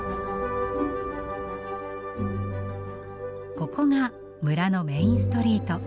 ここが村のメインストリート。